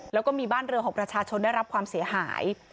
แล้วก็มีบ้านเรือของประชาชนได้รับความเสียหาย